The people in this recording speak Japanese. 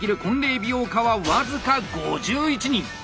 美容家は僅か５１人。